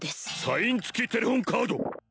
サイン付きテレホンカード！